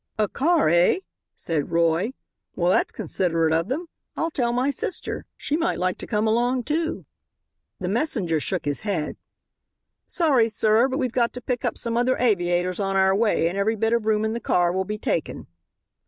"A car, eh?" said Roy; "well, that's considerate of them. I'll tell my sister. She might like to come along, too." The messenger shook his head. "Sorry, sir; but we've got to pick up some other aviators on our way and every bit of room in the car will be taken."